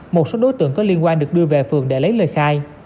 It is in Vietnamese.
một số đối tượng có liên quan được đưa về phường để lấy lời khai